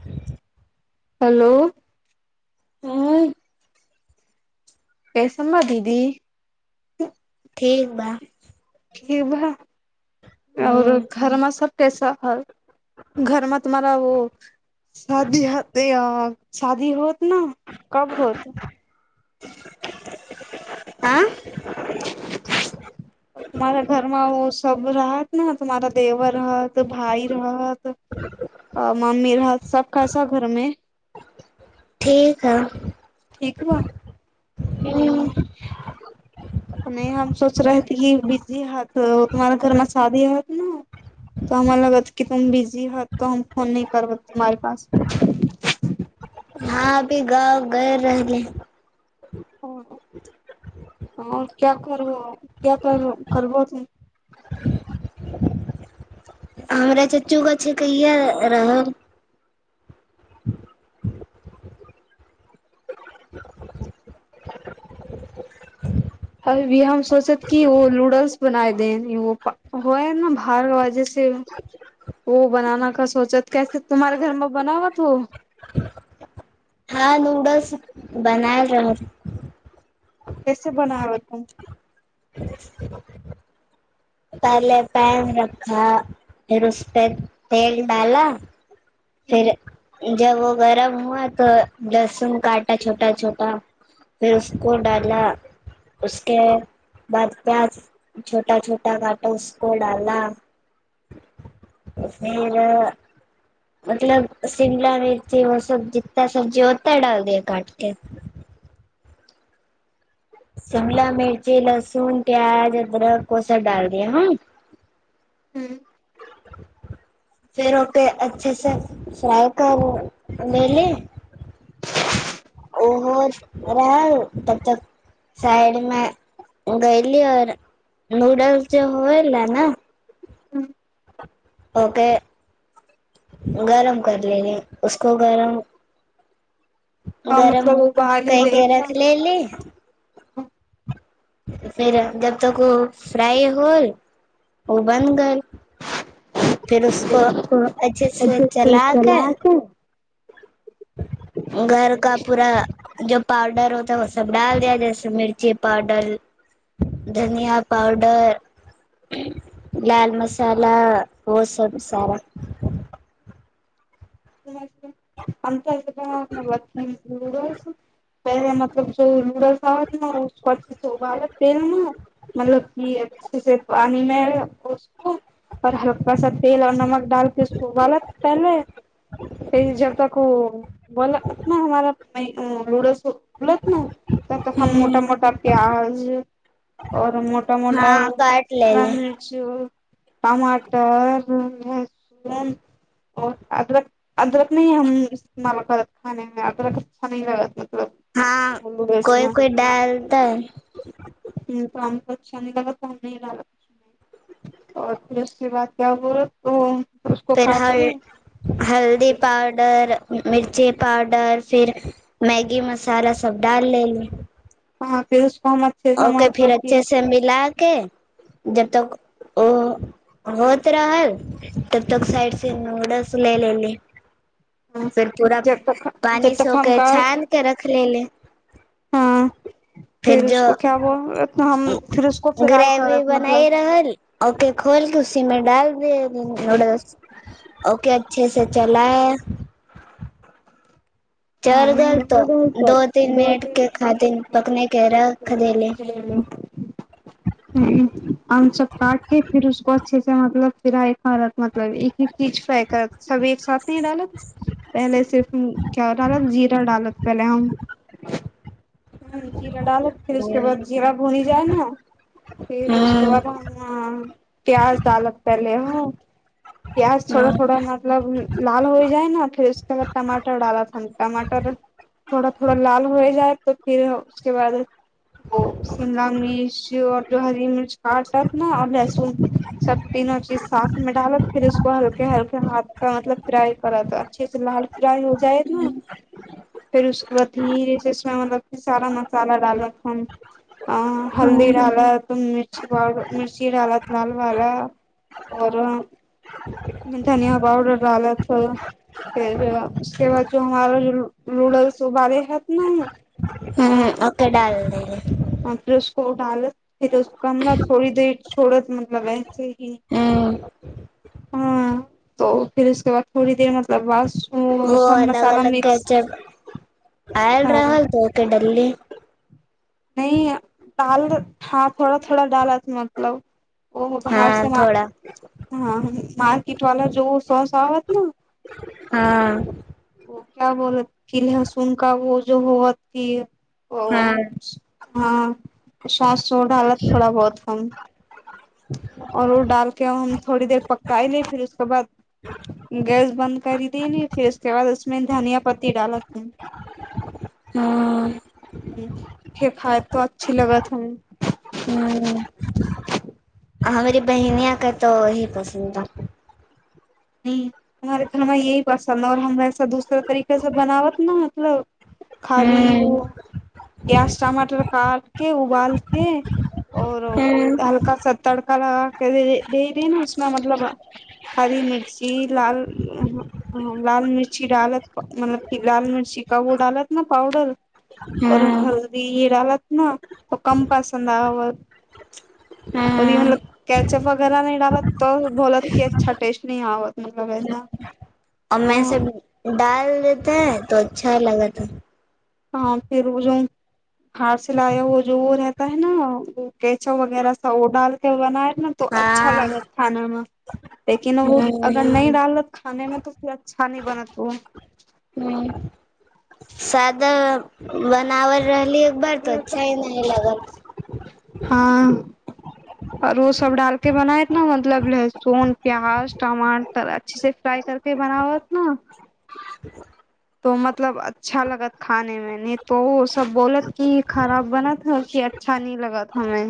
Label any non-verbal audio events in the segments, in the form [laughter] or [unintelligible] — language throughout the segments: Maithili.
ह हेल हँ कइसन बा दीद ठीक ब ब आओर हूँ घरमे सब कैसा है घरमे तुम्हारा शादी ह शादी होत न कब हो आ [inaudible] तुमहारा घरमे ओ सब रहत ने तुमहारा देवर रह भाई रहत मम्मी रहत सब खासा घरम ठीक ह ठीक बा हू [inaudible] नहि हम सोच रहेे कि बिजी हत तुमहारे घरमे शादी हत तऽ हमरा लगत की तुम बिजी होत त हम फोन नहि करब तुमारे पा हँ अभी गाँव गै रहल ह आओर क्या करब क्य कर करबोने हमरा चाचू के छेकहिया रह अभ हम सोचत कि ओ नूडल्स बनाय देन ह ने बर वाजे से ओ बनाना क सोचत कैसे तुम्ारे घरमे बनावत हो हँ नूडल्स बनाए रह कैसे बनाब तुम [unintelligible] पहले पैन रखा फेर उसपे तेल डाला फेर हम्म जब ओ गरम हुआ तो लहसुन काटा छोटा छोटा फेर उसको डाला उसके बाद प्याज छोटा छोटा काँटा उसको डाला फेर मतलब शिमला मिर्च ओ सब जितना सब्जी होता है डाल द काटके शिमला मिर्ची लहसुन प्याज अदरक ओसब डाल दिय हँ हूं फेर ओके अच्छे से फ्राइ कर ले ले ओ हो रहल तब तक साइड मे गयली और नूडल्स जे होयले ने हूं ओके गरम कर लेने उसको गरम हाँ गरम मतलब वो बाहर ही ले कहिके रख इतना ले ली फेर जब तक ओ फ्राइ होल ओ बन गइल फिर उसको अच्छे से चला क घर का पूरा जो पाउडर होता है ओ सब डाल दिया जइसे मिर्ची पाउडर धनिया पाउडर लाल मसाला ओ सब सारा अ अप ब [unintelligible] पहिल मतलब ज रूडस आ बालत तेल न मतलब की अच्छे से पानि मे उसको आ हल्का सा तेल और नमक डालके उसको उबाला पहिनेे जब तक ओ उवाला हमार नूडल्स को बोलत न हम हूं मोटा मोटा प्याज ओर मोटा मोटा हँ काट शिमला लेले मिर्च टमाटर लहसुन आओ अदरक अदरक नहि हम इस्तेमाल करत खाने मे अदरक अच्छा नी लगत मतलब हँ नूडल्स कोइ मे कोइ डालतै ह त हमके अच्छा नय लगत‌ त‌हम नहीं डालत ओरतसी बात्य कर तू फेर हल हल्दी पाउडर मिर्ची पाउडर फिर मैगी मसाला सब डाल लेली हँ पेरस को हम अच्छे से ओके फिर मतलब कि अच्छे से मिला के जब तक ओ होत रहल तब तक साइड से नूडल्स ले लेली हाँ फेर पूरा जब तक जब पानि से तक हम ओके छान के रख लेलि हँ फिर उसको क्या बो हम फिर उसको फ्राई ग्रेवी करत बनाई मतलब रहल ओके खोलके उसीमें डाल देब नूडल्स ओके अच्छे से चलाए आ चढ़ गेल तो दो तीन मिनट दपत के खातिर पकने के [unintelligible] रख देले ह हम सब काटके फिर उसको अच्छे से मतलब फिरइ रह मतलब एक एक चीज फ्राई करत सब एक साथ नी डालत पहले सिर्फ क्या डालत जीरा डालत पहिले हम जीरा डालत फिर उसके हूं बाद जीरा भुणी जाय ने फिर उसके हूं बादह प्याज डालक पहिले हँ प्याज थोड़ा थोड़ा हूं मतलब लाल होइ जाइ न फेर उसके बाद टमाटर डालब टमाटर थोड़ा थोड़ा लाल हो जाइ तऽ फिर उसके बाद ओ शिमला मिर्च आओर जो हरी मिर्च काटत न लहसुन सब तीनो चीज साथ में डालब फिर उसको हल्के हल्के हाथसँ मतलब फ्राई करत अच्छे से लाल फराई हो जाए हूँ फेर उसके बाद धीरे से उसमे मतलब सारा मसाला डालब हम अ हल्दी डालत त मिर्ची पाउडर मिर्ची डाला लाल वाला आओर धनिया पाउडर भारत रहल ह फेर उसके बाद जो हमार नुडल्स उबाले हेत न हं ओ के डाल देही [unintelligible] हम ने थोड़ी देर छोड़त मतलब ऐसे ही ह [unintelligible] त फिर उसके बाद थोड़ी देर मतलब ब वो सब अलग मसाला अलग मिक्स केचप आयल ह रहलल तऽ ओ के डलली नहि डाल हँ थोड़ा थोड़ा डालत मतलब ओ बाहर हँ से ह थोड़ा मार्किट वाला जो शौस आवत न हँ ओ क्या बोलत की लहसुन का वो जो होयतिय हँ हँ सासो डालत थोड़ा बहुत हम आओर ओ डालके हमथोड़ी देर पकाइ ले फिर उसके बाद गैस बन्द करी देली फिर उसके बाद उसमे धनिया पत्ती डालब हम हँ ह फेर खाय तो अच्छी लगथ हुं हू ह हमरी बहिनिया क त अही पसन्द बा ह हमारे घररा यही पसन्द ह आओर हमऐसा दूसरा तरीके से बनावत न मतलब खाली ओ ह प्याज टमाटर काट के उबालके आओर हल्का सा तड़का लगा क दे रही ने उसमे मतलब हरी मिर्च शी लाल अहाँ ह लाल मिर्ची डालत मतलब की लाल मिर्ची कब डालत न पाउडर आओर हल्दी डालत न त कम पसन्द आबत हूँ कैचअप वगैरह नहि डालत त बोलत की अच्छा टेस्ट नहि आबत मतलब ऐसा ओमें से हाँ डाल देते है तो अच्छा लगत है तँ फेर ओजो हार सिलया व जो रहता है न कचो वगैरह ओ डालके बना ह न तो अच्छा हँ लागत खाना मे लेकिन ओ अगर ह नहि डालत खाने मे तऽ फेरण अच्छा न बनत ओ ह सदा बनाबल। रहली एक बार तो अच्छा न लागल हां आओर ओ सब डाल के बनायत ने मतलब लहसुन प्याज टमाटर अच्छे से फ्राई कर के बनाबत न [inaudible] तो मतलब अच्छा लगत खाने मे ने तो ओ सब बोलत की खराब बनत ह क अ [unintelligible] न लगत हमे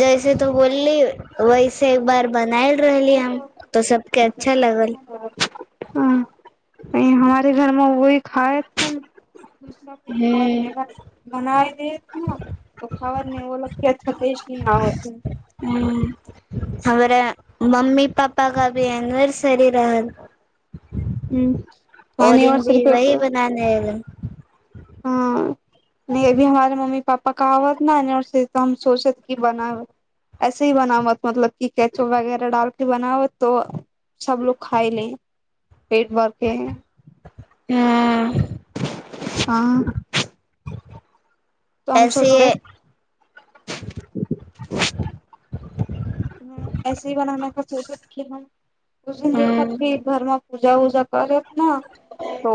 जैसे तो बोलली वैसे एक बार बनायल रहली हम तो सबके अच्छा लागल [unintelligible] बनाए देथ न त खबर हूं नहि ओ लोग के अच्छा टेस्ट न आवत हं हमरा मम्मी पापा का भी एनिवर्सरी रहल हूँ ओ दिन भी वही बनाने एलो हँ नहि अभी हमारे मम्मी पापा कहावत न से त हम सोच सोच क बनाबत ऐसे ही बनाबत मतलब की कैचो वगैरह डाल के बनाबत तो सब लोक खाय ले पेट भरके हूं हं त हम ऐसे सोच रहे ह ऐसी बनावत सोचत कि हम उ दिन हूं देखत की घर मे पूजा उजा क लेत न तो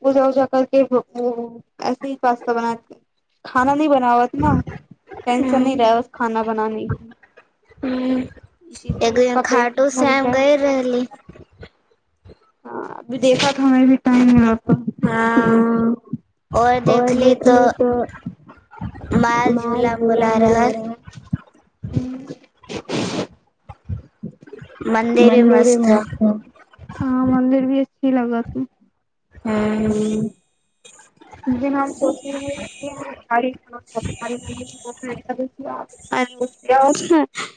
पूजा उजा करके अथी पास्ता बनाएत खाना नी बनाबत न टेंशन हूं नी रह बस खाना बना हं एक दिन सबका पेट खाटू भर श्याम जाए ग ई रहली हँ अभी देखाक हमे भी टाइम मिलत त हँ और देखली त माल झूला मुला रहल हूँ मंदिर भी मन्दिर ही मस्त ह हं हँ मन्दिर भी अच्छी लगत है हँ ज दिन हम सोचे रहै कि हम गाड़ी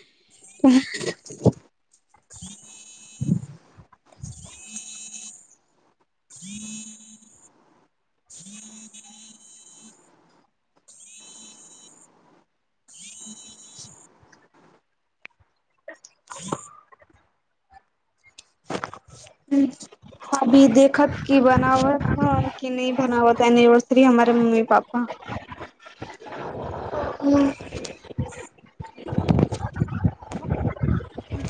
[unintelligible] हं [unintelligible] [inaudible] [inaudible] [inaudible] [inaudible] [inaudible] [inaudible] [inaudible] हु [inaudible] अभी देखत की बनावत ह कि नहि बनावत एनिवर्सरी हमारे मम्मी पापा हँ [inaudible]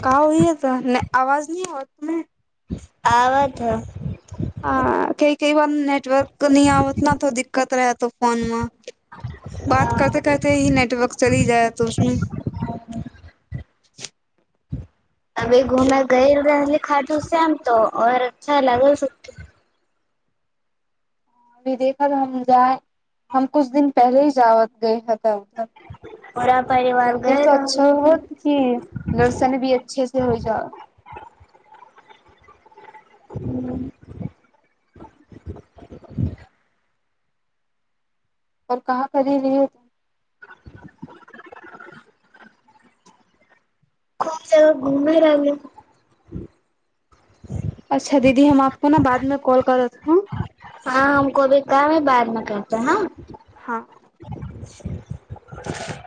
कहाँ ओहि ह नहि आवाज नहि आवत है आबत है ह कई कई बार नेटवर्क नहि आबत तो दिक्कत रहत फोन मे बात करते करते ही नेटवर्क चली जाय त उसमे अभी घूमेै गेल रहलूँ खाटू श्याम तो और अच्छा लागस अभी देखत हम जाय हम कुछ दिन पहिले ही जा गए हे त उधर पूरा परिवार मन्दिर गइल त रहल अच्छा होल बा हुं दर्शन भी अच्छे से होइ जा हूं पर कहाँ करी रही त सब घुमै रहलै अच्छा दीदी हम आपको ने बादमे कॉल करत हं हँ हमको भी काम है बाद मे करते हैं हँ [inaudible]